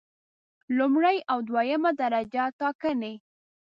لومړی او دویمه درجه ټاکنې